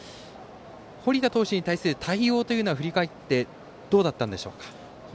堀田投手に対する対応というのはどうだったんでしょうか。